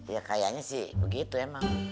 ya kayaknya sih begitu emang